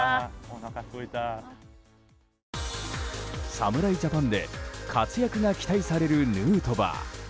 侍ジャパンで活躍が期待されるヌートバー。